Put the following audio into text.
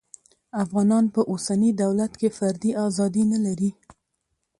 افغانان په اوسني دولت کې فردي ازادي نلري